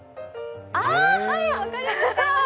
あー、はい、分かりました。